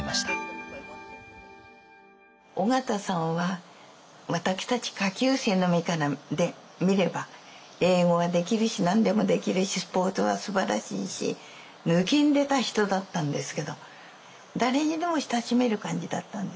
緒方さんは私たち下級生の身から見れば英語はできるし何でもできるしスポーツはすばらしいしぬきんでた人だったんですけど誰にでも親しめる感じだったんで。